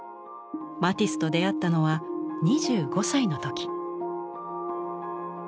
マティスと出会ったのは２５歳の時。